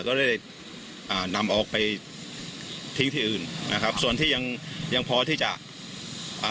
ก็ได้อ่านำออกไปทิ้งที่อื่นนะครับส่วนที่ยังยังพอที่จะอ่า